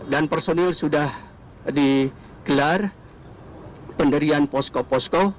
dan personil sudah dikelar penderian posko posko